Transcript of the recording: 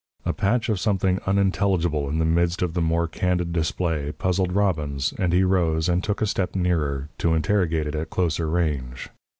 A patch of something unintelligible in the midst of the more candid display puzzled Robbins, and he rose and took a step nearer, to interrogate it at closer range.